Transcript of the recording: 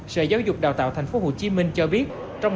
sở giáo dục đào tạo tp hcm cho biết